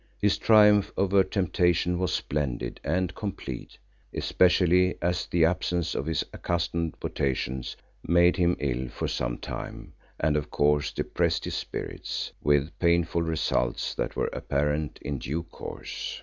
His triumph over temptation was splendid and complete, especially as the absence of his accustomed potations made him ill for some time and of course depressed his spirits, with painful results that were apparent in due course.